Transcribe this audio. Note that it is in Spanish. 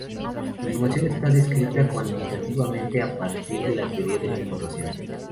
La información está descrita cuantitativamente a partir de la teoría de la información.